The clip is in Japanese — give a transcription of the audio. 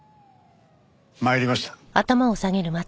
参りました。